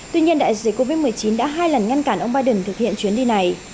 tuy nhiên đại dịch covid một mươi chín đã hai lần ngăn cản ông biden thực hiện chuyến đi này